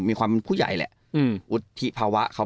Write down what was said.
มีความเป็นผู้ใหญ่แหละวุฒิภาวะเขา